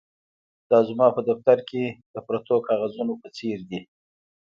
دا زما په دفتر کې د پرتو کاغذونو په څیر دي